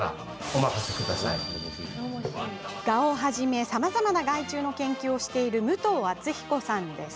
ガをはじめ、さまざまな害虫の研究をしている武藤敦彦さんです。